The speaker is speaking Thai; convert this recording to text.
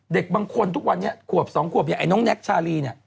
เด็กบางคนทุกวันนี้ขวบ๒ขวบอย่างไอ้น้องแน็กชาลีเนี่ย